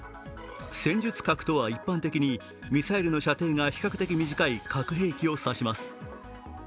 戦術核とは一般的にミサイルの射程が比較的短い核兵器を指します。